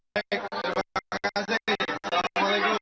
baik terima kasih assalamu'alaikum